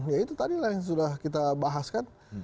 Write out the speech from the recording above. ya itu tadi lah yang sudah kita bahaskan